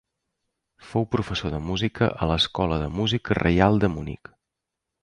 Fou professor de música a l'Escola de Música Reial de Munic.